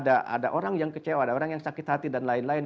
ada orang yang kecewa ada orang yang sakit hati dan lain lain